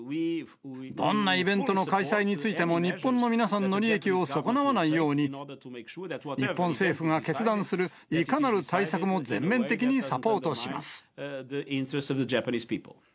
どんなイベントの開催についても、日本の皆さんの利益を損なわないように、日本政府が決断するいかなる対策も全面的にサポートします。